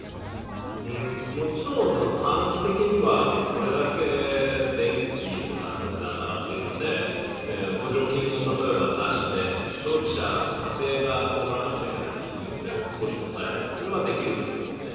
もちろん短期的にはこれだけ電気、ガスの値段が上がっているので補助金を例えば出して消費者とか家庭が被らなくちゃいけないインフレを少し抑える、それはできると思うんですね。